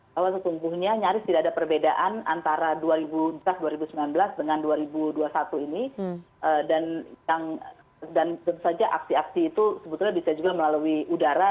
bahwa sesungguhnya nyaris tidak ada perbedaan antara dua ribu dua belas dengan dua ribu dua puluh satu ini dan tentu saja aksi aksi itu sebetulnya bisa juga melalui udara